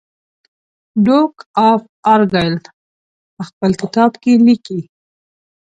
ډوک آف ارګایل په خپل کتاب کې لیکي.